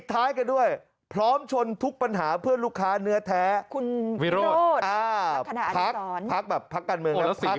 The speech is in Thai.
ค่ะพร้อมชนทุกปัญหาเพื่อลูกค้าเนื้อแท้